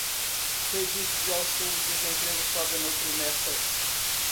Pedidos de auxílio-desemprego sobem no trimestre